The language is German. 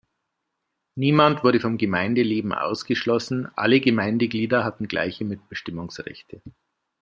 Niemand wurde vom Gemeindeleben ausgeschlossen, alle Gemeindeglieder hatten gleiche Mitbestimmungsrechte.